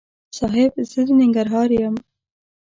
صاحب! زه د ننګرهار یم.